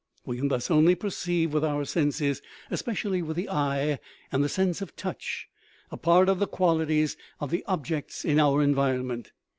We can thus only perceive with our senses, especially with the eye and the sense of touch, a part of the qualities of the objects in our en vironment.